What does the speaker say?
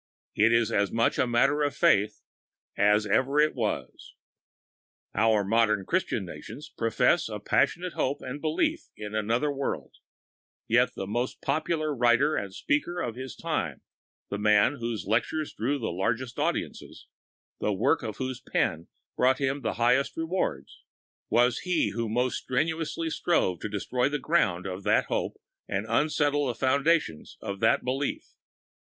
It is still as much a matter of faith as ever it was. Our modern Christian nations hold a passionate hope and belief in another world, yet the most popular writer and speaker of his time, the man whose lectures drew the largest audiences, the work of whose pen brought him the highest rewards, was he who most strenuously strove to destroy the ground of that hope and unsettle the foundations of that belief.